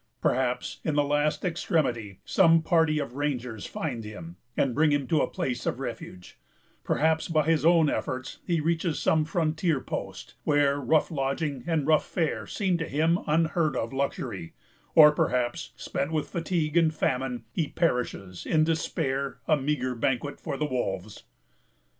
Perhaps, in the last extremity, some party of Rangers find him, and bring him to a place of refuge; perhaps, by his own efforts, he reaches some frontier post, where rough lodging and rough fare seem to him unheard of luxury; or perhaps, spent with fatigue and famine, he perishes in despair, a meagre banquet for the wolves.